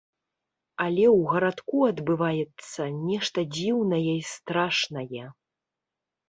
Але ў гарадку адбываецца нешта дзіўнае й страшнае.